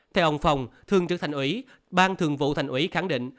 theo ông phong thương trực thành ủy ban thường vụ thành ủy khẳng định